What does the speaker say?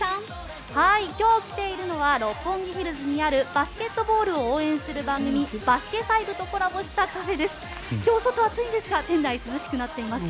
今日来ているのは六本木ヒルズにあるバスケットボールを応援する番組「バスケ☆ＦＩＶＥ」とコラボしたカフェです。